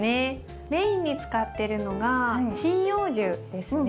メインに使ってるのが針葉樹ですね。